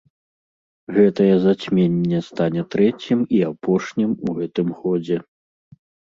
Гэтае зацьменне стане трэцім і апошнім у гэтым годзе.